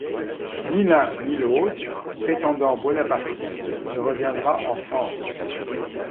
Ni l'un, ni l'autre prétendant bonapartiste ne reviendra en France.